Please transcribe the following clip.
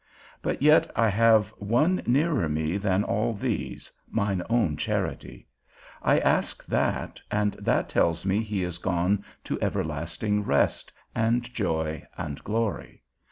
But yet I have one nearer me than all these, mine own charity; I ask that, and that tells me he is gone to everlasting rest, and joy, and glory.